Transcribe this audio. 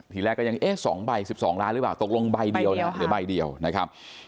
ทีแรกก็แหงเอ๊ะ๒ใบ๑๒ล้านหรือเปล่าตกลงใบเดียวนะคะ